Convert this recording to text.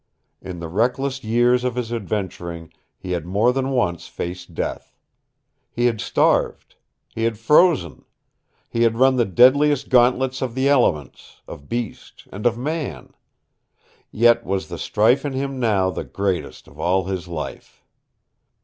In the reckless years of his adventuring he had more than once faced death. He had starved. He had frozen. He had run the deadliest gantlets of the elements, of beast, and of man. Yet was the strife in him now the greatest of all his life.